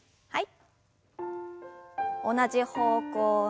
はい。